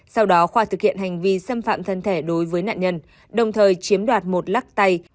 sau đó khoa thực hiện hành vi xâm phạm thân thẻ đối với nạn nhân đồng thời chiếm đoạt một lắc tay